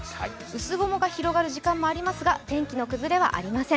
薄雲が広がる時間もありますが、天気の崩れはありません。